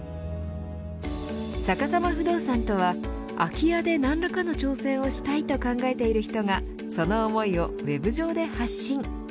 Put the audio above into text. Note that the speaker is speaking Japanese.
さかさま不動産とは空き家で何らかの挑戦をしたいと考えている人がその思いをウェブ上で発信。